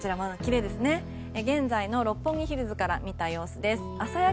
現在の六本木ヒルズから見た様子です。